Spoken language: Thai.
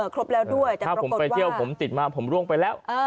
ครบแล้วด้วยถ้าผมไปเที่ยวผมติดมาผมร่วงไปแล้ว